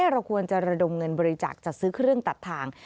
เราควรจะระดมเงินบริจาคจัดซื้อเครื่องตัดทาง